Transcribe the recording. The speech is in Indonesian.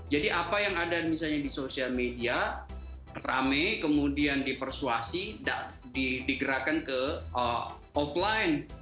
jadi apa yang ada misalnya di social media rame kemudian dipersuasi dan digerakkan ke offline